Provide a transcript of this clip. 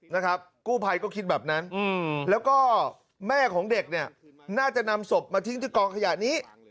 นะครับกู้ภัยก็คิดแบบนั้นแล้วก็แม่ของเด็กเนี่ยน่าจะนำศพมาทิ้งที่กองขยะนี้